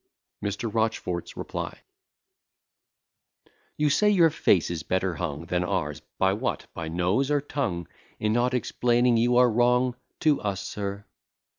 MR. ROCHFORT'S REPLY You say your face is better hung Than ours by what? by nose or tongue? In not explaining you are wrong to us, sir.